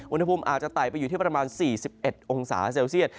อุณหภูมิอาจจะไต่ไปอยู่ที่ประมาณ๔๑องศาเซลเซียต